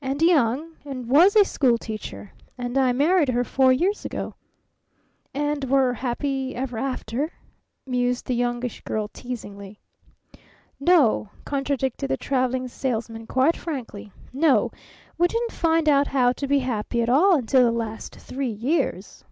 And young. And was a school teacher. And I married her four years ago." "And were happy ever after," mused the Youngish Girl teasingly. "No!" contradicted the Traveling Salesman quite frankly. "No! We didn't find out how to be happy at all until the last three years!"